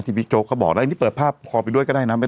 ที่พี่โจ๊กก็บอกแล้วนี่เปิดภาพคอไปด้วยก็ได้นะ